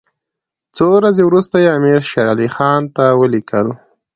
څو ورځې وروسته یې امیر شېر علي خان ته ولیکل.